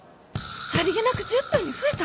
さりげなく１０分に増えた！